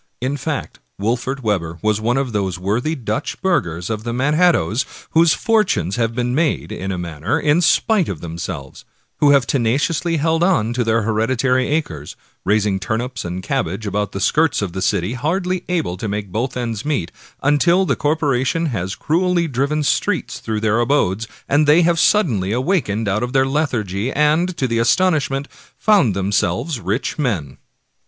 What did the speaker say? In fact Wolfert Webber was one of those worthy Dutch burghers of the Manhattoes whose fortunes have been made, in a manner, in spite of themselves; who have tenaciously held on to their heredi tary acres, raising turnips and cabbages about the skirts of the city, hardly able to make both ends meet, until the corporation has cruelly driven streets through their abodes, and they have suddenly awakened out of their lethargy, and, to their astonishment, found themselves rich men.